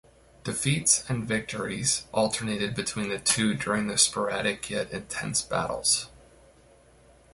Defeats and victories alternated between the two during the sporadic-yet-intense battles.